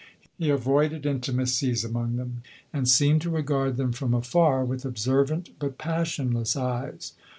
He avoided intimacies among them, and seemed to regard them from afar, with observant but passionless eyes.